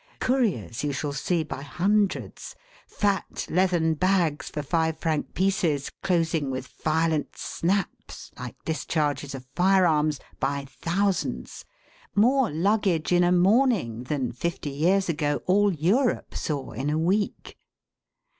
Couriers you shall see by hundreds; fat leathern bags for five franc pieces, closing with violent snaps, like discharges of fire arms, by thousands; more luggage in a morning than, fifty years ago, all Europe saw in a week.